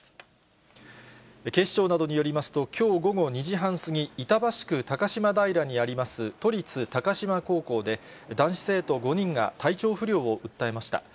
警視庁などによりますと、きょう午後２時半過ぎ、板橋区高島平にあります、都立高島高校で、男子生徒５人が体調不良を訴えました。